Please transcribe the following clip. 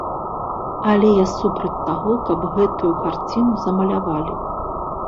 Але я супраць таго, каб гэтую карціну замалявалі.